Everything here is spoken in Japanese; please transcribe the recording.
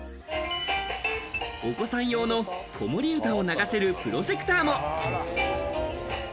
お子さん用の子守歌を流せるプロジェクターも。